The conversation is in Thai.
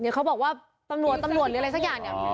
เดี๋ยวเขาบอกว่าตำรวจตำรวจหรืออะไรสักอย่าง